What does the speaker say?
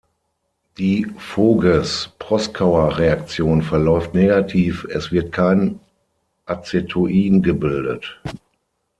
Die Voges-Proskauer-Reaktion verläuft negativ, es wird kein Acetoin gebildet.